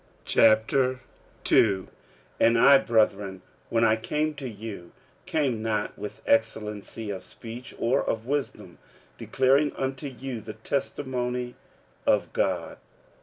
46:002:001 And I, brethren, when I came to you, came not with excellency of speech or of wisdom, declaring unto you the testimony of God.